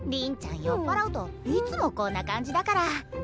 酔っ払うといつもこんな感じだから。